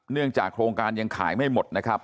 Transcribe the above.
เนื่องจากโครงการยังขายไม่หมดนะครับ